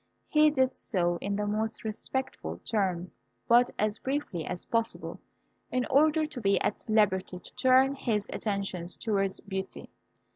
He did so in the most respectful terms, but as briefly as possible, in order to be at liberty to turn his attentions towards Beauty.